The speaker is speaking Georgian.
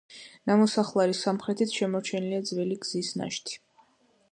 ნამოსახლარის სამხრეთით შემორჩენილია ძველი გზის ნაშთი.